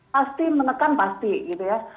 pasti menekan pasti gitu ya